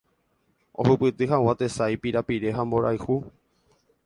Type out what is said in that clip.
ohupyty hag̃ua tesãi, pirapire ha mborayhu.